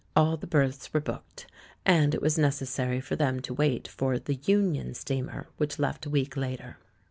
All the berths were booked, and it was necessary for them to wait for the Union steamer, which left a week later.